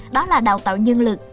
đó là đào tạo nhân lực